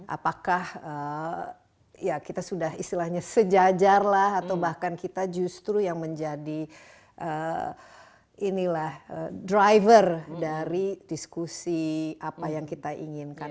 apakah ya kita sudah istilahnya sejajar lah atau bahkan kita justru yang menjadi driver dari diskusi apa yang kita inginkan